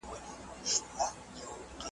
ډاکټران هم توکي کاروي.